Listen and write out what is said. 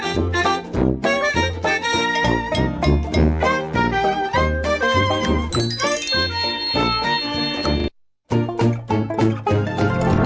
สวัสดีครับ